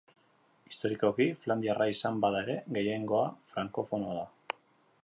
Historikoki flandiarra izan bada ere, gehiengoa frankofonoa da.